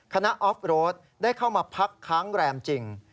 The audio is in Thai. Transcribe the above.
ออฟโรดได้เข้ามาพักค้างแรมจริง